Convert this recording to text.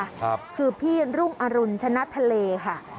คือพี่รุ่งอรุณชนะทะเลค่ะ